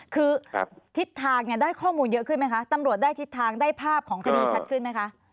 คือทิศทางเนี่ยได้ข้อมูลเยอะขึ้นไหมคะตำรวจได้ทิศทางได้ภาพของคดีชัดขึ้นไหมคะ